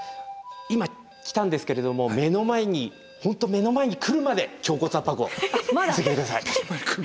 今来たんですけれども目の前に本当目の前に来るまで胸骨圧迫を続けて下さい。